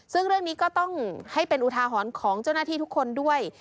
ซึ่งเรื่องนี้ก็ต้องให้เป็นอุทาหรณ์ของเจ้าหน้าที่ทุกคนด้วย